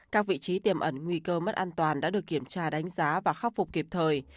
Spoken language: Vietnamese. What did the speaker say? các vị trí tiềm ẩn nguy cơ mất an toàn đã được kiểm tra đánh giá và khắc phục kịp thời